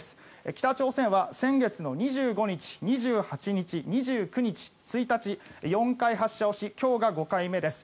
北朝鮮は先月の２５日、２８日２９日、１日４回発射をし今日が５回目です。